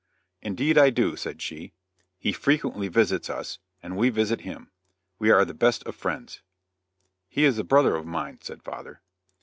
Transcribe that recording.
"Indeed, I do," said she; "he frequently visits us, and we visit him; we are the best of friends." "He is a brother of mine," said father.